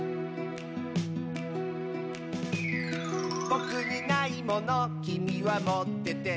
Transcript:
「ぼくにないものきみはもってて」